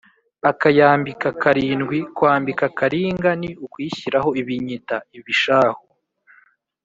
akayambika karindwi: kwambika karinga ni ukuyishyiraho ibinyita (ibishahu)